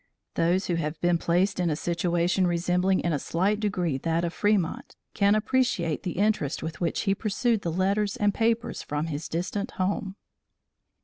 Those who have been placed in a situation resembling in a slight degree that of Fremont, can appreciate the interest with which he perused the letters and papers from his distant home.